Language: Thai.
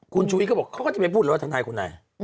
คุณชุวิตก็บอกเขาก็จะไปพูดแล้วว่าทนายคนนั้น